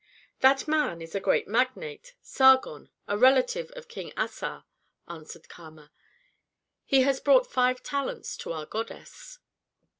"That man is a great magnate, Sargon, a relative of King Assar," answered Kama; "he has brought five talents to our goddess."